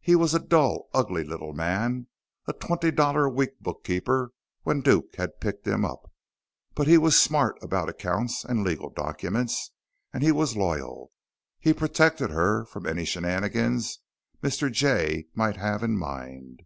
He was a dull, ugly little man; a twenty dollar a week bookkeeper when Duke had picked him up. But he was smart about accounts and legal documents. And he was loyal. He protected her from any shenanigans Mr. Jay might have in mind.